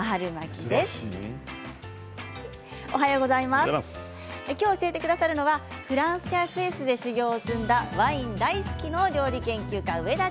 きょう教えてくださるのはフランスやスイスで修業を積んだワイン大好きの料理研究家